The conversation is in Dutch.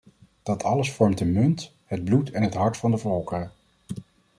Dat alles vormt een munt, het bloed en het hart van de volkeren.